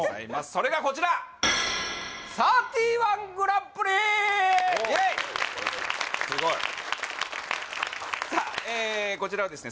それがこちらおおっイエイすごいさあこちらはですね